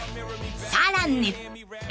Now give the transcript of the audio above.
［さらに］